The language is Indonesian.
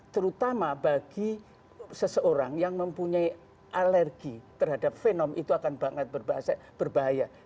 terutama bagi seseorang yang mempunyai alergi terhadap fenom itu akan banget berbahaya